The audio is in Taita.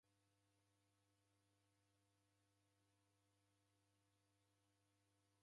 Kukapatwa ni shida ngera kukimbiria ani